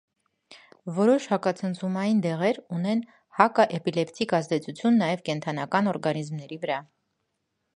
Որոշ հակացնցումային դեղեր ունեն հակաէպիլեպսիկ ազդեցություն նաև կենդանական օրգանիզմների վրա։